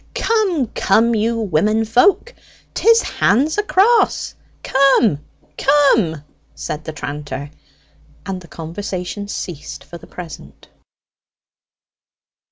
"Come, come, you women folk; 'tis hands across come, come!" said the tranter; and the conversation ceased for the present.